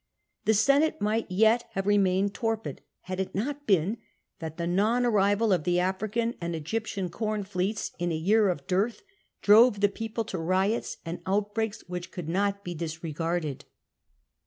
The Senate might yet have remained torpid, had it not been that the non arrival of the African and Egyptian corn fleets in a year of dearth drove the people to riots and outbreaks which could not be disregarded.